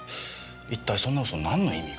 一体そんな嘘なんの意味が？